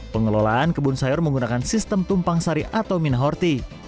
pengelolaan kebun sayur menggunakan sistem tumpang sari atau minahorti